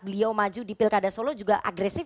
beliau maju di pilkada solo juga agresif